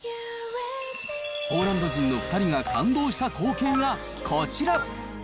ポーランド人の２人が感動した光景がこちら。